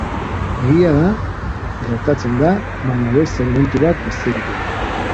Egia da, gertatzen da, baina beste elementu bat besterik ez da.